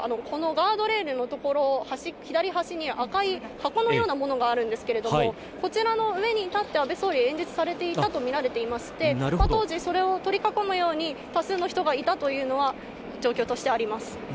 ガードレールの所、左端に赤い箱のようなものがあるんですけど、こちらの上に立って安倍総理が演説をされていたとみられていまして、この当時、その周りを取り囲むように多数の人がいたという状況になります。